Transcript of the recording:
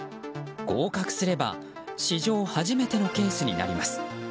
合格すれば史上初めてのケースになります。